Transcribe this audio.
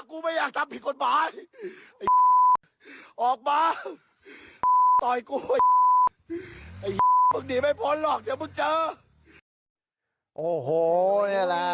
กูไม่อยากทำผิดกฎหมายออกมาต่อยกูเดี๋ยวมึงเจอโอ้โหเนี่ยแหละ